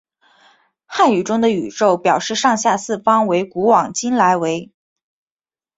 汉语中的宇宙表示上下四方为古往今来为。